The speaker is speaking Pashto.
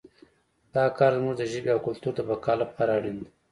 دا کار زموږ د ژبې او کلتور د بقا لپاره اړین دی